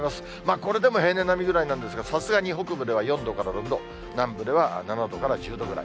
これでも平年並みぐらいなんですが、さすがに北部では４度から６度、南部では７度から１０度ぐらい。